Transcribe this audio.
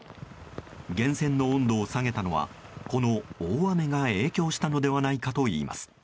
源泉の温度を下げたのはこの大雨が影響したのではないかといいます。